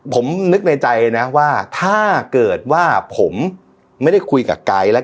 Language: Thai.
ผมนึกในใจนะว่าถ้าเกิดว่าผมไม่ได้คุยกับไกด์แล้ว